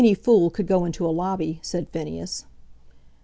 "Any fool could go into a lobby," said Phineas.